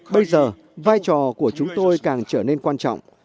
bây giờ vai trò của chúng tôi càng trở nên quan trọng